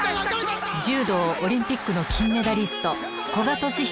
柔道オリンピックの金メダリスト古賀稔彦さん。